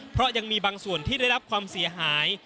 เพราะยังมีบางส่วนที่ได้รับความเสียหาย